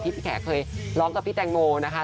พี่แขกเคยร้องกับพี่แตงโมนะคะ